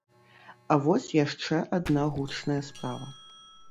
А вось яшчэ адна гучная справа.